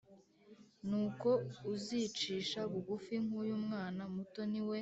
Nuko uzicisha bugufi nk uyu mwana muto ni we